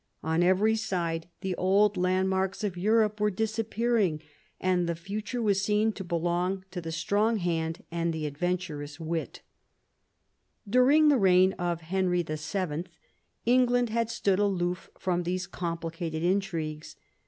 On every side the old landmarks of Europe were disap pearing, and the future was seen to belong to the strong hand and the adventurous wit During the reign of Henry VII. England had stood aloof from these complicated intrigues.